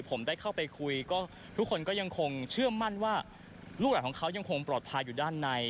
ผมได้เข้าไปคุยก็ทุกคนก็ยังคงเชื่อมั่นว่าลูกหลานของเขายังคงปลอดภัยอยู่ด้านใน